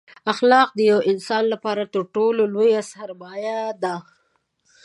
اخلاق دیوه انسان لپاره تر ټولو لویه سرمایه ده